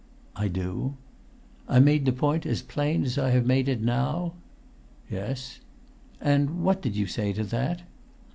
"I do." "I made the point as plain as I have made it now?" "Yes." "And what did you say to that?"